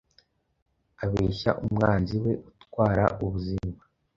abeshya umwanzi we utwara ubuzima